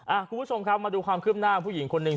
คุณผู้ชมครับมาดูความคืบหน้าของผู้หญิงคนหนึ่ง